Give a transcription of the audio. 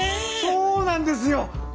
そうなんですよ。